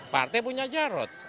partai punya jarod